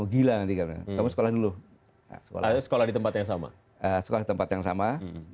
hai nanti kau gila nih kamu sekolah dulu sekolah di tempat yang sama sekolah tempat yang sama